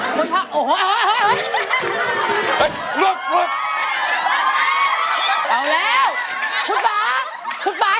คุณพ่าโอ้โห